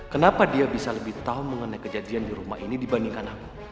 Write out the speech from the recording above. kenapa dia bisa lebih tahu mengenai kejadian di rumah ini dibandingkan aku